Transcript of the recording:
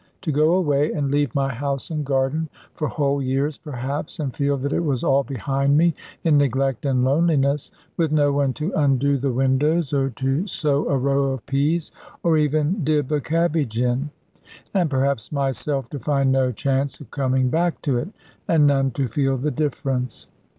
To go away, and leave my house and garden for whole years perhaps, and feel that it was all behind me, in neglect and loneliness, with no one to undo the windows, or to sow a row of peas, or even dib a cabbage in, and perhaps myself to find no chance of coming back to it, and none to feel the difference!